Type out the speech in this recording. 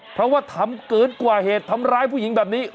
เพราะว่าทำเกินกว่าเหตุทำร้ายผู้หญิงแบบนี้